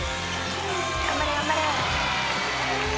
「頑張れ頑張れ！」